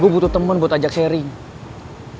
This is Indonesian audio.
gue butuh teman buat ajak sharing